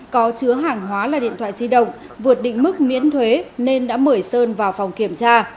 có chứa hàng hóa là điện thoại di động vượt định mức miễn thuế nên đã mở sơn vào phòng kiểm tra